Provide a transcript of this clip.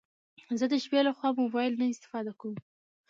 زه د شپې لخوا موبايل نه استفاده کوم